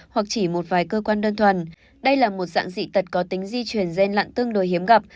hoặc chỉ một vài cơ quan đơn thuần đây là một dạng dị tật có tính di chuyển gen lặn tương đối hiếm gặp